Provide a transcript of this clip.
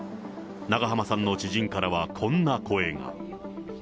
長濱さんの知人からは、こんな声が。